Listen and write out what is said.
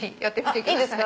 いいですか？